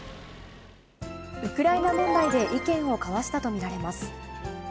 ウクライナ問題で意見を交わしたと見られます。